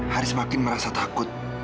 haris makin merasa takut